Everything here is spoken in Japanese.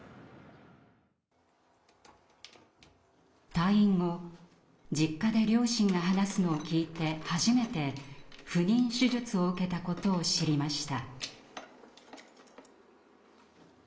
退院後実家で両親が話すのを聞いて初めて不妊手術を受けたことを知りました。